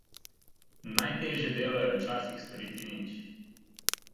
Najtežje delo je včasih storiti nič.